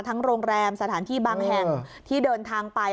โรงแรมสถานที่บางแห่งที่เดินทางไป